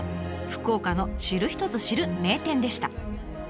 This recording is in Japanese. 福岡の知る人ぞ知る名店でした。